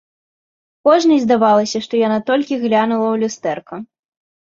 Кожнай здавалася, што яна толькі глянула ў люстэрка.